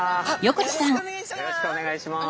よろしくお願いします。